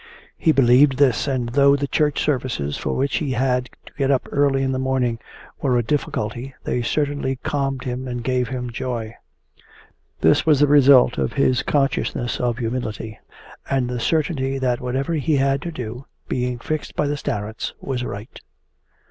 He believed this, and though the church services, for which he had to get up early in the morning, were a difficulty, they certainly calmed him and gave him joy. This was the result of his consciousness of humility, and the certainty that whatever he had to do, being fixed by the starets, was right.